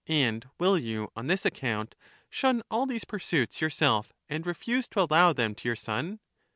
And will you on this account shun all these pursuits yourself and refuse to allow them to your son?